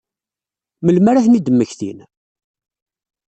Melmi ara ad ten-id-mmektin?